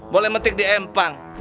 boleh metik di empang